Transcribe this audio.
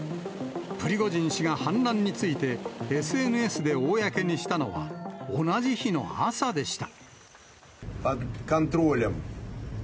プリゴジン氏が反乱について、ＳＮＳで公にしたのは、同じ日の朝でした。